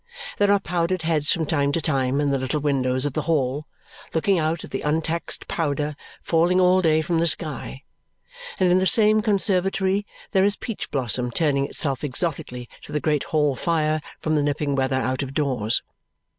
There are powdered heads from time to time in the little windows of the hall, looking out at the untaxed powder falling all day from the sky; and in the same conservatory there is peach blossom turning itself exotically to the great hall fire from the nipping weather out of doors.